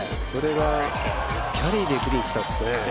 それがキャリーで。